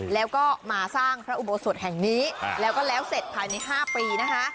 แล้วก็มาสร้างพระอุโบสถแห่งนี้แล้วก็แล้วเสร็จภายใน๕ปีนะคะ